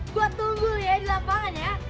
gue tunggu ya di lapangannya